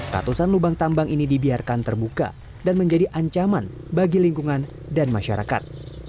ratusan lubang tambang ini dibiarkan terbuka dan menjadi ancaman bagi lingkungan dan masyarakat